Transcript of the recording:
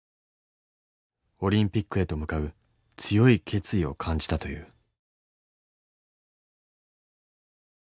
オリンピックへと向かう強い決意を感じたという。